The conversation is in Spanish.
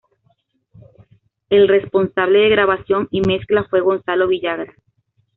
El responsable de grabación y mezcla fue Gonzalo Villagra.